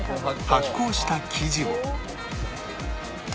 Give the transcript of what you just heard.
発酵した生地を